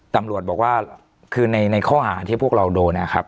ตำรวจบอกว่าคือในข้อหาที่พวกเราโดนนะครับ